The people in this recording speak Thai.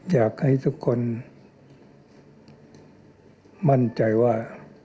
อยากให้ทุกคนมั่นใจว่า